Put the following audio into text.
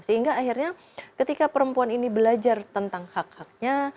sehingga akhirnya ketika perempuan ini belajar tentang hak haknya